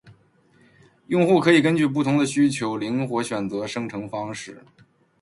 用户可以根据不同的需求灵活选择生成方式